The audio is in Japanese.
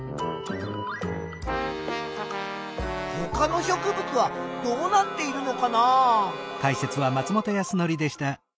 ほかの植物はどうなっているのかな？